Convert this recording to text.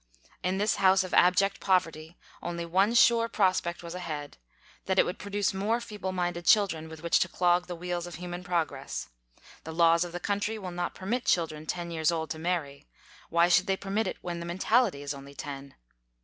In this house of abject poverty, only one sure prospect was ahead, that it would produce more feeble minded children with which to clog the wheels of human progress. The laws of the country will not permit children ten years old to marry. Why should they permit it when the mentality is only ten